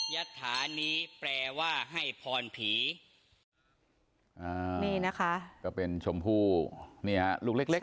ยัตถานี้แปลว่าให้พรผีอ่านี่นะคะก็เป็นชมพู่เนี่ยลูกเล็กเล็ก